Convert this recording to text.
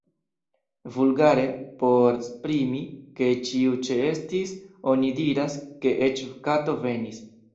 Vulgare, por esprimi, ke ĉiu ĉeestis, oni diras, ke eĉ kato venis.